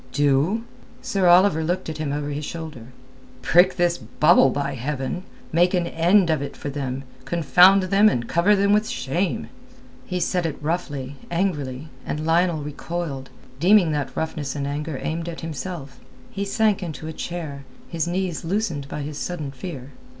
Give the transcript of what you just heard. "Do?" Sir Oliver looked at him over his shoulder. "Prick this bubble, by heaven! Make an end of it for them, confound them and cover them with shame." He said it roughly, angrily, and Lionel recoiled, deeming that roughness and anger aimed at himself. He sank into a chair, his knees loosened by his sudden fear.